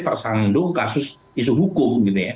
tersandung kasus isu hukum